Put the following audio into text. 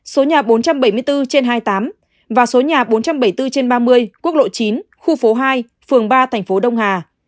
số nhà bốn trăm bảy mươi bốn trên hai mươi tám và số nhà bốn trăm bảy mươi bốn trên ba mươi quốc lộ chín khu phố hai phường ba thành phố đông hà